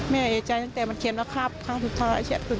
แม่ไอ้ใจตั้งแต่เค็มและครับคร้านสุดท้าย